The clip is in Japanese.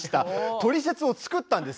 トリセツを作ったんです。